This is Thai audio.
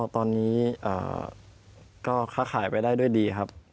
ตอนนี้ก็ค้าขายไปได้ด้วยดีครับ